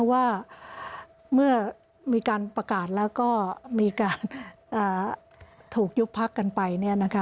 ว่าเมื่อมีการประกาศแล้วก็มีการถูกยุบพักกันไป